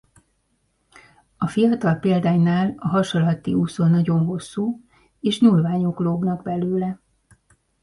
A fiatal példánynál a has alatti úszó nagyon hosszú és nyúlványok lógnak belőle.